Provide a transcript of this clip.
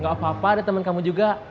gak apa apa ada teman kamu juga